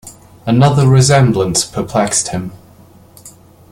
Another resemblance perplexed him.